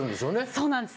そうなんです。